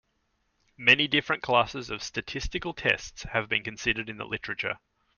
Many different classes of statistical tests have been considered in the literature.